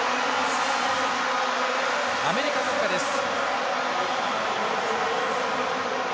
アメリカ国歌です。